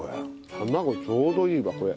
卵ちょうどいいわこれ。